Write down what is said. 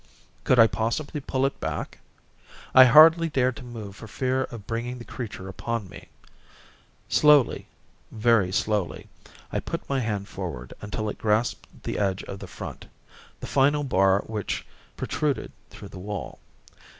Could I possibly pull it back? I hardly dared to move for fear of bringing the creature upon me. Slowly, very slowly, I put my hand forward until it grasped the edge of the front, the final bar which protruded through the wall.